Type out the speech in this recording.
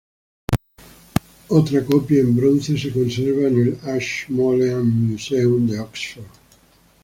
Otra copia en bronce se conserva en el "Ashmolean Museum" de Oxford.